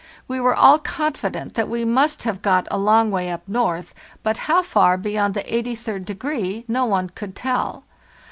We were all confident that we must have got a long way up north, but how far beyond the 83d degree no one could tell.